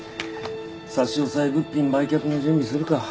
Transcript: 差し押さえ物品売却の準備するか。